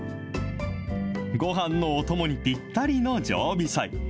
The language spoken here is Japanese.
ごはんのおともにぴったりの常備菜。